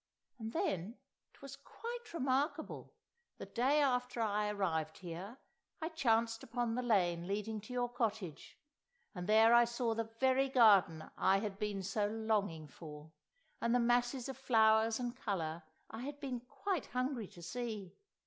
"And then, it was quite remarkable, the day after I arrived here, I chanced upon the lane leading to your cottage, and there I saw the very garden I had been so longing for, and the masses of flowers and colour I had been quite hungry to see.